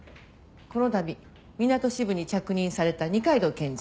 この度みなと支部に着任された二階堂検事。